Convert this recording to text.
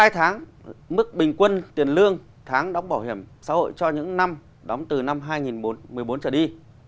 hai tháng mức bình quân tiền lương tháng đóng bảo hiểm xã hội cho những năm đóng từ năm hai nghìn một mươi bốn trở đi